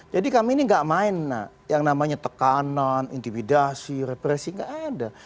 nah kemudian kemudian kita main yang namanya tekanan intimidasi represi tidak ada